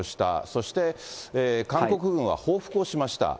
そして韓国軍は報復をしました。